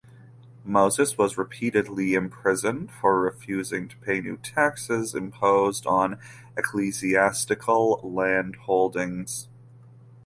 Moses was repeatedly imprisoned for refusing to pay new taxes imposed on ecclesiastical landholdings.